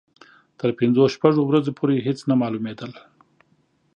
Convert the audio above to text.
تر پنځو شپږو ورځو پورې هېڅ نه معلومېدل.